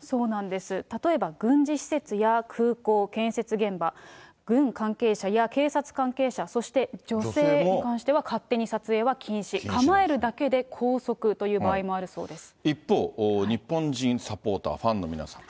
そうなんです、例えば軍事施設や空港、建設現場、軍関係者や警察関係者、そして女性に関しては勝手に撮影は禁止、構えるだけで拘束という一方、日本人サポーター、ファンの皆さん。